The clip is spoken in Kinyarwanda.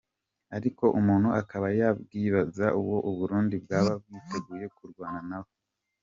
Ariko umuntu akaba yakwibaza uwo u Burundi bwaba bwiteguye kurwana nawe.